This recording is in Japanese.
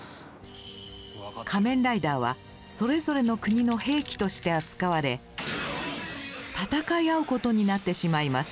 仮面ライダーはそれぞれの国の兵器として扱われ戦い合うことになってしまいます。